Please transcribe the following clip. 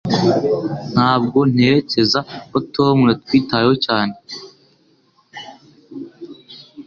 Ntabwo ntekereza ko Tom yatwitayeho cyane